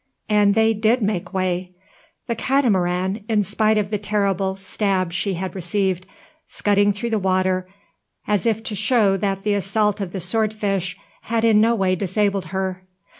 And they did make way; the Catamaran, in spite of the terrible "stab" she had received, scudding through the water, as if to show that the assault of the sword fish had in no way disabled her.